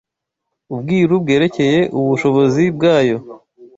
Ubwiru bwerekeye ubushobozi bwayo